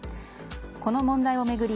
この問題を巡り